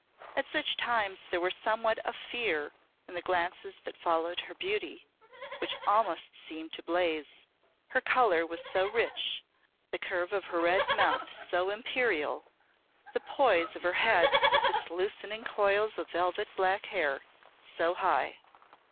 At such times there was somewhat of fear in the glances that followed her beauty, which almost seemed to blaze her colour was so rich, the curve of her red mouth so imperial, the poise of her head, with its loosening coils of velvet black hair, so high.